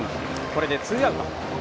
これでツーアウト。